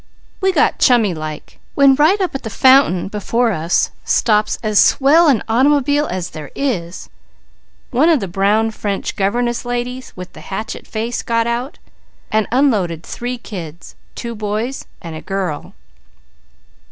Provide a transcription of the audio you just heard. We got chummy like, when right up at the fountain before us stops as swell an automobile as there is. One of the brown French governess ladies with the hatchet face got out, and unloaded three kids: two boys and a girl.